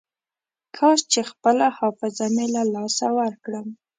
کاش چې خپله حافظه مې له لاسه ورکړم.